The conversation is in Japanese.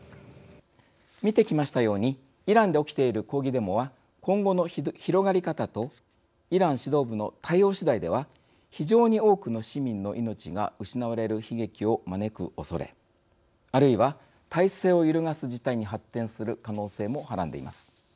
見てきましたようにイランで起きている抗議デモは今後の広がり方とイラン指導部の対応次第では非常に多くの市民の命が失われる悲劇を招く恐れあるいは、体制を揺るがす事態に発展する可能性もはらんでいます。